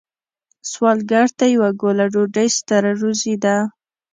سوالګر ته یوه ګوله ډوډۍ ستر روزی ده